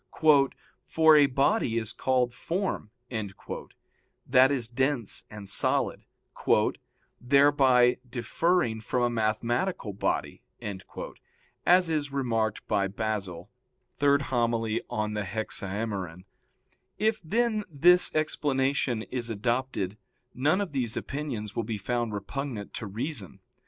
"For a body is called firm," that is dense and solid, "thereby differing from a mathematical body" as is remarked by Basil (Hom. iii in Hexaem.). If, then, this explanation is adopted none of these opinions will be found repugnant to reason.